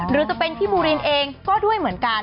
หรือจะเป็นพี่บูรินเองก็ด้วยเหมือนกัน